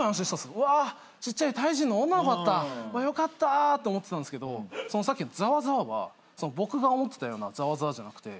うわっちっちゃいタイ人の女の子だったよかった！って思ってたんすけどさっきのざわざわは僕が思ってたようなざわざわじゃなくて。